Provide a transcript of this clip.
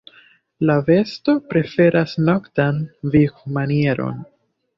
La besto preferas noktan vivmanieron.